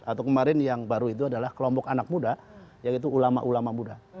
atau kemarin yang baru itu adalah kelompok anak muda yaitu ulama ulama muda